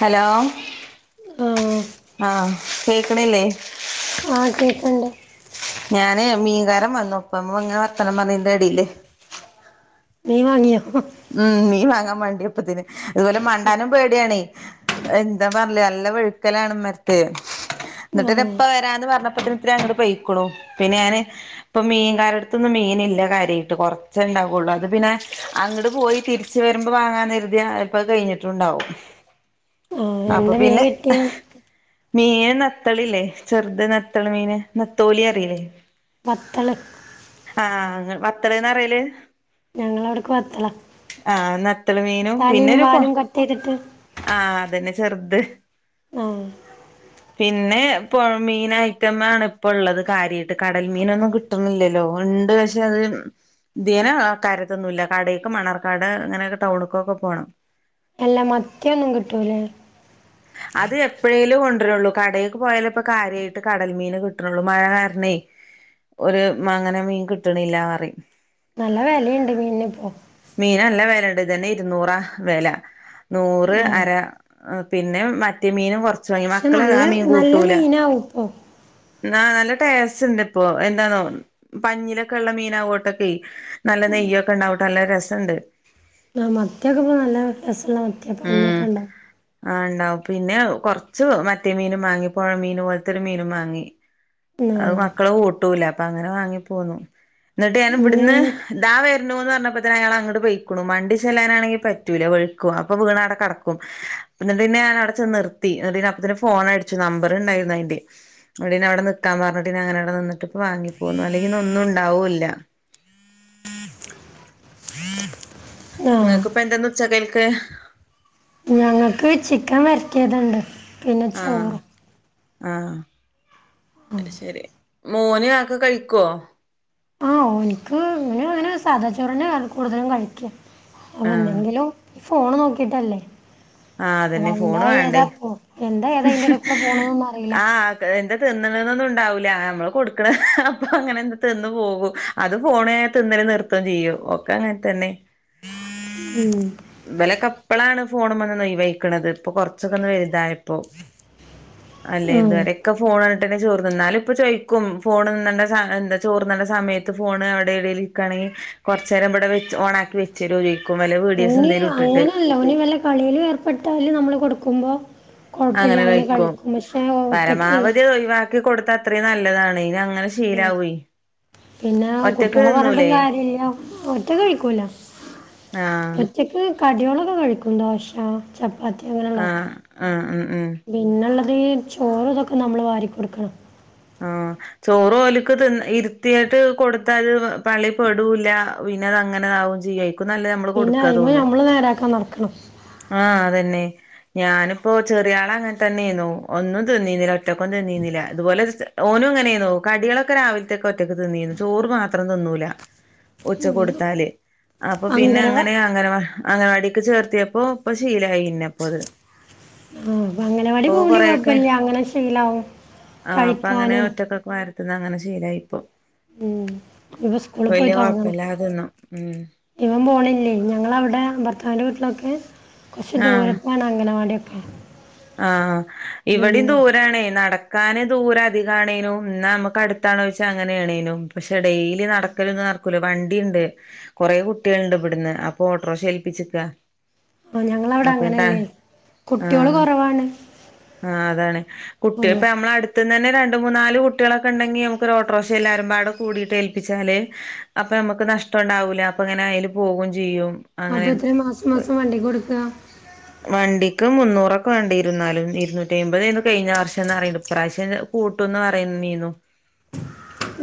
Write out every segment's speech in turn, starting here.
Hello? ആ.. ഹ്, ആഹ്, കേക്ക്ണ്ല്ലേ? ആഹ്, കേക്ക്ണ്ട്. ഞാന്, മീൻകാരം വന്നുപ്പം. ഞമ്മള് ങ്ങനെ, വർത്താനം പറഞ്ഞീന്റെ എടീല്. മീം വാങ്ങിയോ? ഉം. മീം വാങ്ങാൻ മണ്ടിയപ്പൊത്തിന്. അതുപോലെ, മണ്ടാനും പേടിയണേയ്. എന്താ പറഞ്ഞ്ലേ! നല്ല വെഴുക്കലാണ് മ്മർത്തെയ്. ന്നട്ടെന്നെ, ആഹ് ഇപ്പ വരാന്ന് പറഞ്ഞപ്പോത്തിന്, ഇത്തിരി അങ്ങോട്ട് പെയ്ക്ക്ണു. പിന്നെ, ഞാന് പ്പം മീൻകാരെട്ത്തൊന്നും മീനില്ല കാര്യായിട്ട്. കൊറച്ചേ ഇണ്ടാവുള്ളു. അത് പിന്നെ, അങ്ങ്ട് പോയി തിരിച്ചു വരുമ്പോ വാങ്ങാന്നെര്തിയ, ചെൽപ്പോ അത് കെഴിഞ്ഞിട്ടുണ്ടാവും. ആഹ് അപ്പൊ എന്താ മീൻ പിന്നെ [inaudible] കിട്ടി മീൻ നത്തളില്ലേ! ചെറുത്, നത്തള് മീന്. നത്തോലി അറീലെ? വത്തള്. ആഹ്, വത്തള് ന്നാറയല്? ഞങ്ങളവ്ട്ക്ക് വത്തളാ. ആഹ്, നത്തള് മീനും, തലയും പിന്നെരു പോ, വാലും കട്ട് ചെയ്തിട്ട് ആഹ്, അതെന്നെ ചെർത്. ആഹ്. [inaudible] പിന്നെ, പൊഴമീൻ ഐറ്റം ആണ് ഇപ്പൊള്ളത് കാര്യായിട്ട്. കടൽ മീനൊന്നും കിട്ടുന്നില്ലല്ലോ? ഉണ്ട്. പക്ഷെ, അത് ത്യേനെ കാര്യായിട്ടൊന്നും ഇല്ല. കടേക്ക് മണ്ണാർകാട്, അങ്ങനൊക്കെ ടൗണ്ക്കൊക്കെ പോണം. എല്ല, മത്തിയൊന്നും കിട്ടൂലേ? അത്, എപ്പഴേലും കൊണ്ടെരൊള്ളൂ. കടേക്ക് പോയാലെ പ്പൊ കാര്യായിട്ട് കടൽ മീന് കിട്ട്ണൊള്ളൂ, മഴ കാരണേയ്. ഓര് മ്മങ്ങനെ മീൻ കിട്ടണില്ലറിം. നല്ല വെലയുണ്ട് മീനിനിപ്പോ. മീന് നല്ല വെലൻണ്ട്, ഇതെന്നെ ഇരുന്നൂറാ വെല. നൂറ് ആഹ് അര പിന്നെ, മറ്റേ മീനും കുറച്ച് ക്ഷേ, നല്ല, നല്ല മീനാവോ പ്പൊ? ആഹ്, നല്ല ടേസ്റ്റ്ണ്ട് പ്പൊ. എന്താന്നോ! പഞ്ഞിലൊക്കെ ഉള്ള മീനാവോട്ടൊക്കെയ്, നല്ല നെയ്യൊക്കെ ഉണ്ടാവും. നല്ല രസണ്ട്. അഹ്. മത്തിയൊക്കെ പ്പൊ നല്ല രെസള്ള മ ഉം. ആ ഇണ്ടാവും പിന്നെ കുറച്ച് മറ്റേ മീന വാങ്ങി പുഴമീന പോലത്തെൊരു മീനും വാങ്ങി അത് ആഹ് മക്കള കൂട്ടൂല്ല അപ്പൊ അങ്ങനെ വാങ്ങി പോന്നു എന്നിട്ട് ഞാൻ ഇനി ഇവിടുന്ന് ദാ വരുണുന്ന് പറഞ്ഞപ്പോ തന്ന അയാൾങ്ങോട്ട് പോയിക്കണു വണ്ടി ചെല്ലാനാണെങ്കിൽ പറ്റൂല്ല [unintelligible] അ പ്പൊ വീണാവിടെ കടക്കും എന്നിട്ടിന്നെ ഞാൻ അവിടെചെ നിർത്തി എന്നിട്ടിന്നെ അപ്പത്തേന് ഫോൺ അടിച്ചു നമ്പർ ഉണ്ടായിരുന്നു അയിന്റെ അവിടെ അവിടെ നിക്കാൻ പറഞ്ഞിട്ട് അങ്ങന അവിടെ നിന്നട്ട്പ്പ വാങ്ങി പോകുന്നു അല്ലങ്കി ഇന്ന് ഒന്നും ഉണ്ടാവൂല്ല ആഹ് ഇങ്ങക്ക് ഇപ്പൊ എന്താ ഉച്ച കൽക്ക് ഞങ്ങൾക്ക് ചിക്കൻ വരട്ടിയത്ഉണ്ട് ആഹ് ആഹ് ശരി മോനെ ആക്കെ കഴിക്കോ ആഹ ഒന്ക്ക് ഇങ്ങനെ അങ്ങനെ സാദാ ചോറന്നെ ആ കൂടുതലും കഴിക്കാ അവ ആഹ് എന്തെങ്കിലും ഫോൺ നോക്കിട്ടല്ലേ ആഹ് അതന്നെ എന്താ ഫോണ് ഏതാ വേണ്ടേ പോ എന്താ ഏതാ ഇതിന്റഇടേക്കൂടെ പോണൊനൊന്നും അറിയില്ല ആഹ് എന്താ തിന്നണന്നൊന്നും ഉണ്ടാവില്ല നമ്മള് കൊടുക്കണ അപ്പൊ അങ്ങനെ തിന്നു പോകും അത് ഫോണിനയത്ത് തിന്നന നൃത്തം ചെയ്യോ ഒക്കെ അങ്ങനെ തന്നെ ഉം ഇവലൊക്കെ ഇപ്പളാണ് ഫോൺമ്മന്ന് ഒഴിവായിക്കണത് ഇപ്പൊ കൊറച്ചൊക്കെ ഒന്ന് വലുതായപ്പോ അല്ലേ ആഹ് ഇതുവരെ ഒക്കെ ഫോൺകണ്ട്ട്ടന്നെ ചോറ് നിന്നാലും ഇപ്പൊ ചോദിക്കും ഫോണ് നിന്ന എന്താ ചോർ തിന്നണ്ടേ സമയത്ത് ഫോൺ അവിടെ ഇവിടൽ ണെങ്കി കൊറച്ചെരം ഇവിടെ ഓണാക്കി വെച്ചരും ചോദിക്കും വല്ല വീഡിയോസ് എന്തേലും ഇട്ടിട്ട് ഒന് വല്ല കളീലും ഏർപ്പെട്ടാൽ നമ്മള് കൊടുക്കുമ്പോ കുഴപ്പല്ല അങ്ങനെ കളിക്കും പക്ഷേ ഒറ്റകെല്ലെ കൊടുത്ത അത്രയും നല്ലതാണ് പിന്നെ അങ്ങനെ ഉം. ശീലാവും പിന്നെ കുട്ടയോളെ പറഞ്ഞിട്ടും കാര്യമല്ല ഒറ്റക് കഴിക്കൂല ആഹ ഒറ്റക്ക് കടിയോളൊക്കെ കഴിക്കും ദോശ ചപ്പാത്തി അങ്ങനെയുള്ളൊക്കെ ആഹ് ആഹ് ഉം ഉം പിനെള്ളത് ചോറും ഇതൊക്കെ നമ്മൾ വാരി കൊടുക്കണം ആഹ് ചോറ് ഓലക്ക് തിന്ന ഇരുത്തിയിട്ട് കൊടുത്താത് പള്ളിൽ പെടൂല്ല പിന്നെ അത് അങ്ങന്നേ ആവും ചെയ്യായി നല്ലത് നമ്മള് പിന്നെ കൊടുക്കാ അയിമെ തോന്നും ഞമ്മള് നേരാക്കാൻ നടക്കണം ആ അതന്നെ ഞാനിപ്പോ ചെറിയ ആള അങ്ങനെ തന്നെഏനു ഒന്നും തിന്നുന്നില്ല ഒറ്റക്കും തിന്നുന്നില്ല ഇതുപോലെ ഓനും ഇങ്ങനെന്നു കടികളൊക്കെ രാവിലത്തൊക്കെ ഒറ്റക്ക് തിന്നിന്ന് ചോറ് മാത്രം തിന്നൂല ഉച്ചക് കൊടുത്താല് അപ്പൊ പിന്നെ അങ്കനവ അങ്ങനെ അങ്ങനെ അംഗനവാടിക്ക് ചേർത്തിയപ്പോ ഇപ്പൊ ശീലമായി പിന്നപ്പോ അത് ആ അപ്പ അങ്ങനെവാടി പോവങ്കി കൊറെയൊക്കെ കുഴപ്പില്ല അങ്ങനെ ശീലവും കഴി അപ്പ അങ്ങനെ ഒറ്റക്കൊക്കെ വാരിത്തിന്ന് അങ്ങനെ ശീലായിപ്പോ ഉം ഇവൻ സ്കൂള് പോയി വലിയ തൊടങ്ങണം കൊഴപ്പല്ലാതെ തിന്നും ഉം ഇവൻ പോണില്ലേ ഞങ്ങളവിടെ ഭർത്താവിന്റെ വീട്ടിലൊക്കെ കുറച്ച് ദൂരത്താണ് അംഗൻവാടി ഓക്കെ ആ ഇവിടും ദൂരണേ നട നടക്കാൻ ദൂര അധികാണെനും എന്നാ നമുക്ക് അടുത്തണേച്ചാൽ അങ്ങനൊണേനും പക്ഷെ ഡെയിലി നടക്കലും ന്ന് നടക്കില്ല വണ്ടിണ്ട് കൊറെേ കുട്ടികൾണ്ട് ഇവിടുന്ന് അപ്പൊ ഓട്ടോറിക്ഷ ഏൽപ്പിച്ചക്ക ആ ഞങ്ങളവിടെ അങ്ങനല്ലേയ് കുട്ടിയോളും കൊറവാണ് ആ അതാണ് കുട്ടി അതെ നമ്മള അടുത്തണ് അടുത്ത് തന്നെ രണ്ട് മൂന്ന നാല് കുട്ടികളൊക്കെ ഉണ്ടെങ്കി നമുക്ക് ഒട്ടോക്ഷ എല്ലാരും ബ്ബടെ കൂടിയിട്ട്ഏൽപ്പിച്ചാ നിലയിൽ അപ്പൊ നമുക്ക് നഷ്ടം ഉണ്ടാവൂല അപ്പ അങ്ങനെ അതിൽ പോകും ചെയ്യും അപ്പൊ അങ്ങനെ എത്ര മാസം മാസം വണ്ടി കൊടുക്കുക വണ്ടിക്ക് മുന്നൂറൊക്കെ വേണ്ടിരുന്നാലും ഇരുന്നൂറ്റിഅയിമ്പതായിരുന്നു കഴിഞ്ഞ വർഷന്ന് പറിണ്ട് ഇപ്രാവശ്യം കൂട്ടുംന്ന് പറയുന്നേന്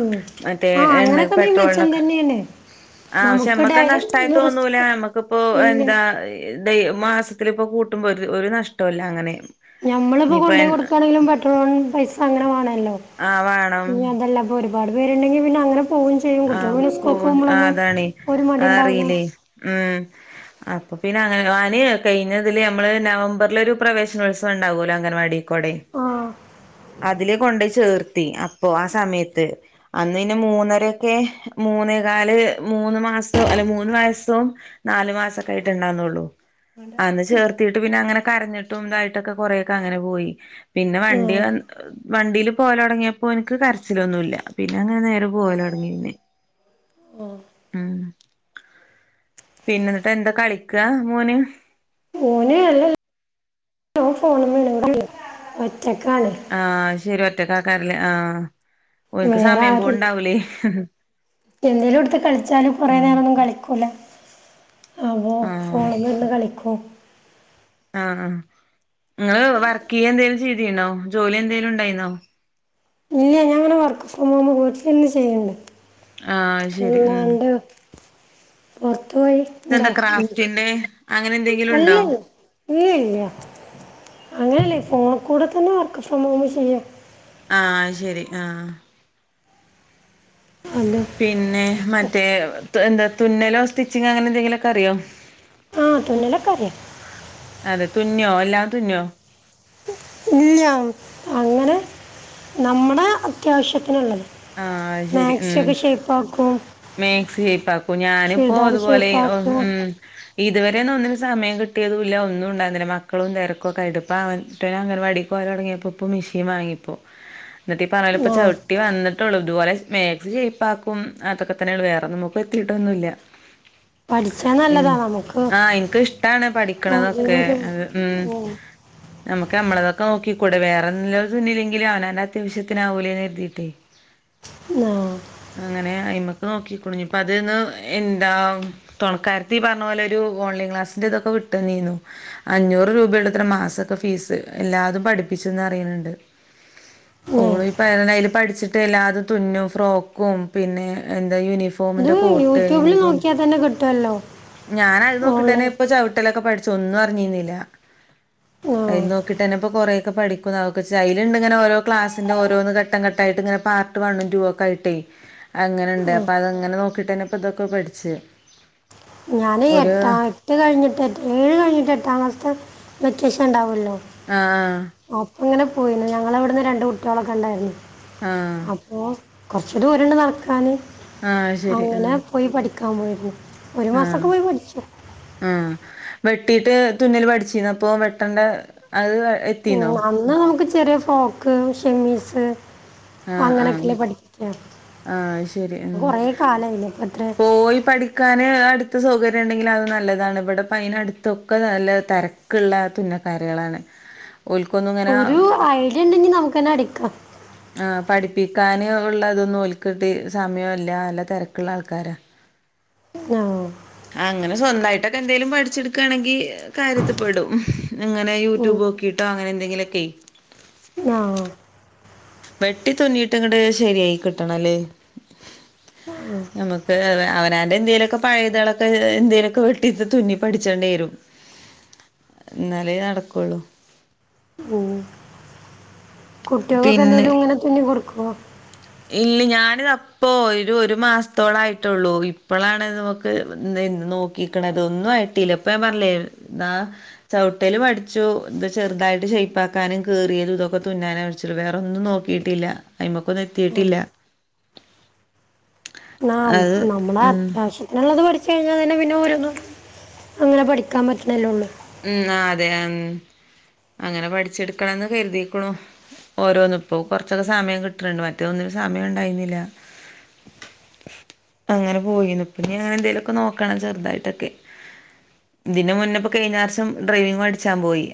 ഉം മറ്റേ ആഹ് എണ്ണ അങ്ങനൊക്കെണ്ടെങ്കി പെട്രോൾ മെച്ചം നോക്കെ തന്നെയാണ് ആ പക്ഷെ നമുക്ക് നമ്മക്ക് ഡയലി നഷ്ടമായി തോന്നൂല മ്മക്പോ ഇല്ല എന്താ ഇതായ മാസത്തിൽ ഇപ്പോ കൂട്ടുമ്പോ ഒരു ഒരു നഷ്ടല്ല അങ്ങനെ ഞമ്മൾ ഇപ്പോ ഇനിയിപ്പോ കൊടോയി എണ്ണ കൊടുക്കയാണെങ്കിലും പെട്രോള പൈസ അങ്ങനെ വേണല്ലോ ആഹ് വേണം ഇനി അതെല്ല അപ്പൊ ഒരുപാട് പേരുണ്ടെങ്കി പിന്നെ അങ്ങനെ പോകും ചെയ്യും കുട്ടികൾ ആഹ് ഒന്നും സ്കൂൾക്കു ഫോൺ ആഹ് പോമ്പോളൊന്നും അതാണേ ഒരു മടിണ്ടാവില്ല അതറിയില്ലേ ഉം അപ്പൊ പിന്നെ അങ്ങനെ ആന് കയിഞ്ഞതില് നമ്മള് നവംബറിലൊരു പ്രവേശനോത്സവം ഉണ്ടാവുല്ലോ അംഗൻവാടി കൊടെ ആഹ് അതില് കൊണ്ടയ് ചേർത്തി അപ്പോ ആ സമയത്ത് അന്ന് പിന്നെ മൂന്നര ഒക്കെ മൂന്നേകാല് മൂന്ന് മാസവും അല്ല മൂന്ന് വയസ്സും നാല് മാസൊക്കെയിട്ട് ഉണ്ടാവുന്നുള്ളു അന്ന് ചേർത്തിട്ട് പിന്നെ അങ്ങനെ കരഞ്ഞിട്ടും ഇതായിട്ടൊക്കെ കൊറെക്കെ അങ്ങനെ പോയി പിന്നെ വണ്ടി ആഹ് വണ്ടിൽ പോവൽ തുടങ്ങിയപ്പോൾ ഓന്ക് കരച്ചിലൊന്നുമല്ല പിന്നെ അങ്ങനെ നേരം പോവാലോടുങ്ങി നിന്ന് ഉം പിന്നെ എന്നിട്ട് എന്താ കളിക്കാ മോൻ മോൻ ഫോൺ മ്മേ ഒറ്റക്കാണ് ആഹ ശരി ഒറ്റക്കാക്കാരില്ലേ ആഹ് ഓൽക്ക് വേറെ സമയം ആരൂ പോവ്ണ്ടാവൂലേ എന്തേലും ഇടുത്ത് കളിച്ചാലും കൊറേ ഉം നേരം ഒന്നും കളിക്കൂല ആവോ ആഹ് ഫോണിൽ നിന്ന് കളിക്കൂ ആഹ് ആ നിങ്ങള് വർക്ക് ചെയ്യ എന്തേലും ചെയ്തീണോ ജോലി എന്തെലും ഉണ്ടായിന്നോ ഇല്ല ഞാങ്ങനെ വർക്ക് ഫ്രം ഹോം വീട്ടിലിന്ന് ചെയ്യണ്ട് ആഹ് അത് ശരി ഉം ഇല്ലാണ്ട് പുറത്തോയ് ഇതെന്താ ക്രാഫ്റ്റിന്റെ അങ്ങനെ എന്തെങ്കിലും ഉണ്ടോ അല്ലേ ഇ ഇല്ല അങ്ങനെയല്ലേ ഫോണ കൂടെ തന്നെ വർക്ക് ഫ്രം ഹോം ചെയ്യാം ആഹ് ശരി ആഹ് അത് പിന്നെ മറ്റേ എന്താ തുന്നലോ സ്റ്റിച്ചിങ്ങോ അങ്ങനെ എന്തെങ്കിലൊക്കെ അറിയോ ആഹ് തുന്നിലക്കാര്യ അതെ തുന്നോ എല്ലാം തുന്നോ ഇല്ല അങ്ങനെ നമ്മുടെ അത്യാവശ്യത്തിനുള്ളത് ആഹ് മാക്സി ഒക്കെ ഷേപ്പ് ആക്കും മേക്സ്പ്പാക്കും ഞാനിപ്പോ അതുപോലെ ഒ ഷേപ്പാക്കും ഉം ഇതുവരെന്നും ഒന്നിനും സമയം കിട്ടിയതും ഇല്ല ഒന്നും ഉണ്ടാന്നില്ല മക്കളും തെരക്കൊക്കെയായിട്ട് ഇപ്പൊ അവൻ- റ്റ അങ്ങനവാടി പോയതാണെങ്കി ഇ പ്പോ ഇപ്പൊ മെഷീൻ വാങ്ങിപ്പോ എന്നിട്ടി പറല്ലപ്പ ആ ചവിട്ടി വന്ന് ള്ളൂ ഇതുപോലെേ മാക്സിഷെയ്പ്പാക്കും അതൊക്കെ തന്നെയ വേറെൊന്നു [unintelligible] എത്തിയിട്ടൊന്നുമല്ല പഠിച്ചാൽ ഉം നല്ലതാ നമുക്ക് ആഹ് എനക്ക് ഇഷ്ടാണ് പഠിക്കണതൊക്കെ അതിനൊരു അത് ഉം നമുക്ക് നമ്മളതൊക്കെ നോക്കിക്കൂടെ വേറെല്ലതുന്നിലെങ്കില അവനവന്റെ അത്യാവശ്യത്തിനാവൂലേന്ന് എരുതിയിട്ടേ ആ അങ്ങനെ അയിമ്മക്ക് നോക്കിക്കോളിഞ്ഞുപ്പൊ അതന്ന് എന്താ തുണക്കാരത്തി പറഞ്ഞ പോലൊരു ഓൺലൈൻ ക്ലാസിന്റെ ഇതൊക്കെ വിട്ടുന്നീനു അഞ്ഞൂറ് രൂപയണ്ടത്ര മാസത്തെ ഫീസ് എല്ലാതും പഠിപ്പിച്ചുന്ന് അറിയണണ്ട് ഉം. ഓളോ ഇപ്പ [unintelligible] പഠിച്ചിട്ട് ല്ലാതെ തുന്നും ഫ്രോക്കും പിന്നെ എന്താ ഇത് യൂണിഫോമിന്റെ പോട്ട് യൂട്യൂബിൽ യൂണിഫോം നോക്കിയാൽ തന്നെ കിട്ടുമല്ലോ ഞാൻ അത് നോക്കിട്ട്ന്നെ ഓൺലൈൻ ഇപ്പ ചവിട്ടലൊക്കെ പഠിച്ച തൊന്നും അറിഞ്ഞിന്നില്ല ആ അൽ നോക്കിട്ട്ന്നെപ്പ കൊറേ ക്ക പഠിക്കുഅതൊക്കെ ചയിലണ്ടങ്ങന ഓരോ ക്ലാസിന്റെ ഓരോന്ന് ഘട്ടംഘട്ട് ഇങ്ങനെ പാർട്ട് വണ്ണും ടുഒക്കെ ആയിട്ടേ അങ്ങനെണ്ട് ആ അപ്പൊ അതങ്ങനെ നോക്കിട്ടന്നെപ്പ ഇതൊക്കെ പഠിച്ച് ഞാനേ ഒരു എട്ടാ എട്ട് കഴിഞ്ഞിട്ട് എ ഏഴ് കഴിഞ്ഞിട്ട് എട്ടാമത്തെ വെക്കേഷൻ ഉണ്ടാവല്ലോ ആഹ് അപ്പ ഇങ്ങനെ പോയിന് ഞങ്ങള ഇവിടുന്ന് രണ്ട് കുട്ടികളൊക്കെ ഉണ്ടായിരുന്നു ആഹ് അപ്പൊ പക്ഷെ ദൂരമുണ്ട് നടക്കാന് ആഹ് ശരി അങ്ങനെ ആഹ് പോയി പഠിക്കാൻ പോയിരുന്നു ഒരു മാസക്ക ആഹ് പോയി പഠിച്ചു ആഹ് വെട്ടീട്ട് തുന്നിൽ പഠിച്ചിന്ന അപ്പോ വെട്ടണ്ട അത് എത്തിന്നോ എന്നാൽ നമുക്ക് ചെറിയ ഫോക്ക് ഷിമീസ് ആഹ് ആഹ് ആഹ് അയ്ശരി ഉം കുറേ കാലമായില്ലേ ഇപ്പം എത്ര പോയി പഠി ക്കന് അടുത്ത സൗകര്യം ഉണ്ടെങ്കിൽ അത് നല്ലതാണ് ഇവിടെ പ്പ അയിനടുത്തൊക്കെ നല്ല തിര ക്കുള്ള തുന്നക്കാരുകളാണ് ഓല്ക്കൊന്നും ഒരു ഐഡിയ ഉണ്ടെങ്കി നമുക്ക്ന്നെ അടിക്കാം ആഹ് പഠിപ്പിക്കാന് ഉള്ളതൊന്നും ഒൽക്കട്ടി സമയമില്ല നല്ല തിരക്കുള്ള ആൾക്കാര ആഹ് അങ്ങനെ സ്വന്തമായിട്ടൊക്കെ എന്തെങ്കലും പഠിച്ചെടുക്കുകയാണെങ്കിൽ കാര്യത്തിൽപ്പെടും അങ്ങനെ യു ഉം, ട്യൂബ് നോക്കിട്ടോ അങ്ങനെന്തെങ്കിലൊക്കെയേ ആഹ് വെട്ടി തുന്നിയിട്ട് ഇങ്ങിട് ശെരിയായി കിട്ടണല്ലേ നമുക്ക് അവനാന്റെ എന്തേലൊക്കെ പഴയതളൊക്കെ എന്തേലൊക്കെ വെട്ടിട്ട് തുന്നി പഠിച്ചേണ്ടേ വരും എന്നാലെ നടക്കുള്ളൂ ഉം കുട്ടികൾക്കൊക്കെ പിന്നെ എന്തേലും ഇങ്ങനെ തുന്നി കൊടുക്കുവോ ഇല്ല ഞാനിത അപ്പോ ഒരു ഒരു മാസത്തോളം ആയിട്ടുള്ളൂ ഇപ്പോഴാണ് നമ ക്ക് നോക്കിക്കണത് ഒന്നും ആട്ടില്ല ഇപ്പ ഞാൻ പറഞ്ഞില്ലേ എന്ന ചവിട്ടല് പടിച്ചു ഇന്ത ചെറുതായിട്ട് ഷയിപ്പക്കാനും കേറിയതും ഇതൊക്കെ തുന്നാനും ച്ചൊള്ളൂ വേറൊന്നും നോക്കിട്ടില്ല അയിമക്കൊന്നും എത്തിട്ടില്ല ആഹ് നമ്മളെ അത്യാവശ്യം അങ്ങുള്ളത് പഠിച്ചു കഴിഞ്ഞാൽ തന്നെ പിന്നെ ഓരോന്നും അങ്ങനെ പഠിക്കാൻ പറ്റണേല്ലോ ഉള്ളൂ ഉം ആഹ് അതെ ഉം അങ്ങനെ പഠിച്ചെടുക്കണംന്ന് കരുതിക്കണു ഓരോന്ന് ഇപ്പൊ കൊറച്ചൊക്കെ സമയം കിട്ടിട്ടുണ്ട് മറ്റേത് ഒന്നിനും സമയം ഉണ്ടായിന്നില്ല പ്പം അങ്ങനെ പോയിന്നു ഇപ്പ നീ അങ്ങനെ എന്തേലുമൊക്കെ നോക്കണം ചെറുതായിട്ടൊക്കെ ഇതിന് മുന്നേപ്പം കഴിഞ്ഞർഷം ഡ്രൈവിങ് മടിച്ചാൻ പോയി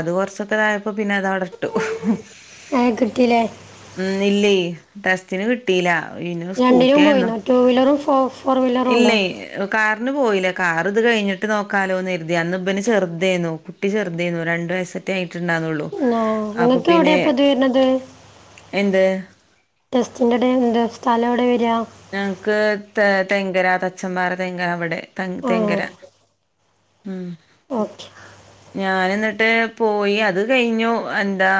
അത് കുറച്ചൊക്കെ ആയപ്പോ പിന്നെ അത് അവിടിട്ടു ഏഹ് കിട്ടീല്ലേ ഉം ഇല്ലേ ടെ സ്റ്റിന് കിട്ടീല ഇന രണ്ടിനും സ്കൂട്ടിയായിരുന്നു പോയിന്നോ ടു വീലറും ഫോ ഫോർ വീലറും ഉണ്ടോ ഇല്ലേ കാറിന് പോയില്ലേ കാർ ഇത് കഴിഞ്ഞിട്ട് നോക്കാലോന്ന് കരുതി അന്ന് പ്പന് ചെറുതായിനു കുട്ടി ചെറുതായിനു രണ്ട് വയസ്സെ ആയിട്ടുണ്ടന്നുള്ളു ആ അപ്പൊ നിങ്ങൾക്ക് പിന്നെ എവിടെയാ ഇപ്പ ഇത് വരുന്നത് എന്ത് ടെസ്റ്റിന്റെ ടെ എന്താ സ്ഥലം എവിടെ വര്യ ഞങ്ങക്ക് ത തെങ്കര തച്ചമ്പാറ തെങ്കര അവിടെ ത ആ തെങ്കര ഉം ഓക്കെ ഉ ഞാനെന്നിട്ട് പോയി അത് കഴിഞ്ഞു എന്താ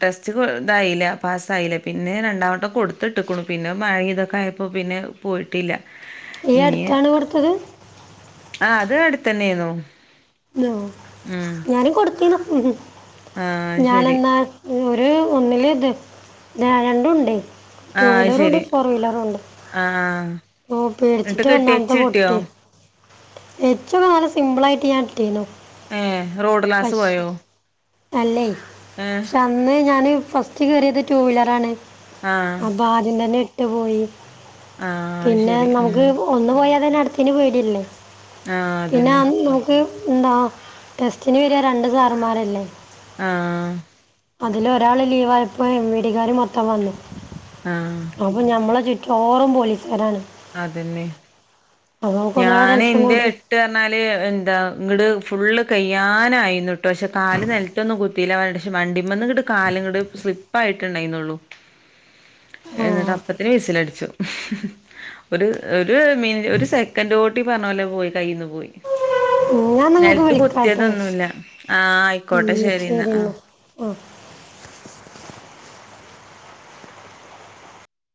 ടെസ്റ്റ് കോ ഇതായില്ല പാസ്സായില്ലേ പിന്നെ രണ്ടാ വട്ടം കൊടുത്തിട്ടക്കണു പിന്നെ മഴ ഇതൊക്കെ ആയപ്പോൾ പിന്നെ പോയിട്ടില്ല ഈ അടുത്താണ് കൊടുത്തത് ആഹ് അത് അടുത്തന്നെ ആയിന്നു ഓ ഞാന് കൊടുത്തിന്ന് ഉം ആ അത് ശരി ഞാനെന്ന ഒരു ഒന്നില ഇത് ആഹ് രണ്ടും ഉണ്ടേ ആ ടു അത് വീലറുണ്ട് ശരി ഫോർ വീലറുണ്ട് ആ ആ ഓ എന്നിട്ട് പേടിച്ചിട്ട് കെട്ടിയേച്ച് ഒന്നാമത്തെ കിട്ടിയോ പൊട്ടി ഏച്ചോക്ക നല്ല സിമ്പിൾ ആയിട്ട് ഞാൻ ഇിട്ടീനോ ഏ റോഡ് ലാസ് പോയോ അല്ലേ ഏ പക്ഷ അന്ന് ഞാന് ഫസ്റ്റ് കേറിയത് ടു വീലർ ആണ് ആ അപ്പ ആദ്യം തന്നെ ഇട്ട് പോയി ആ അത് പിന്നെ ശരി ഉം നമുക്ക് ഒന്ന് പോയാതന്നെ അടുത്തയ്ന് പേടി അല്ലേ ആ അതന്നെ പിന്നെന്ന് എന്താ ടെസ്റ്റിന് വരിക രണ്ട് സാറമാരല്ലേ ആ അതിൽ ഒരാൾ ലീവായപ്പോ എം വി ഡിക്കാർ മൊത്തം വന്നു ആഹ് അപ്പം നമ്മളെ ചുറ്റോറും പോലീസുകാരാണ് അതെന്നെ അപ്പോൾ നമുക്ക് ഒന്നുകൂടെ ഞൻ ടെൻഷൻ ഇന്റെ കൂടി ഇട്ട് പറഞ്ഞാൽ എന്താ ഇങ്ങട് ഫുള്ള് കയ്യാനായിരുന്നുട്ടോ പക്ഷെ കാല് നില ണ്ടാന്നും കുത്തിയില്ല വ പക്ഷെ വണ്ടിമ്മന്നിട്ട് കാല്ങ്ങട്ട് സ്ലിപ്പ് ആയിട്ട് ണ്ടായിരുന്നുള്ളു ആ എന്നിട്ട് അപ്പത്തിന് വിസിൽ അടിച്ചു ഒരു ഒരു മി ഒരു സെക്കന്റോട്ടി പറഞ്ഞ പോലെ പോയി കയ്യിന്ന് പോയി ഞാൻ നിങ്ങൾക്ക് നെൽത്ത് വിളിക്കാം കേട്ടോ കുത്തിയെതൊന്നുല്ല ആ ആയിക്കോട്ടെ ശരിന്നാ അ ഓഹ്